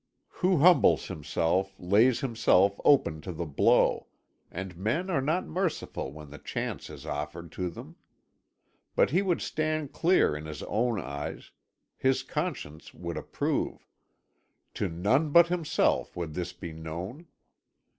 Who humbles himself lays himself open to the blow and men are not merciful when the chance is offered to them. But he would stand clear in his own eyes; his conscience would approve. To none but himself would this be known.